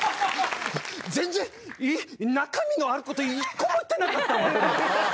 全然中身のあること１個も言ってなかったわ。